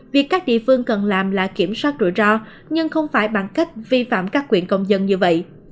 việc các địa phương cần làm là kiểm soát rủi ro nhưng không phải bằng cách vi phạm các quyền công dân như vậy